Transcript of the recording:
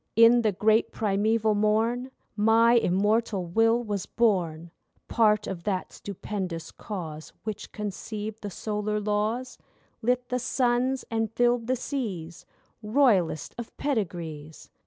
In the great primeval morn My immortal will was born, Part of that stupendous Cause Which conceived the Solar Laws, Lit the suns and filled the seas, Royalest of pedigrees.